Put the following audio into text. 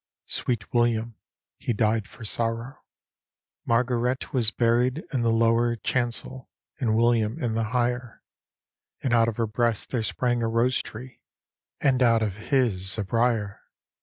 Sweet William he died for sorrow. Margaret was buried id the lower chancel. And William in the higher ; And out of her breast there sprang a rose tree, And out of his a brier.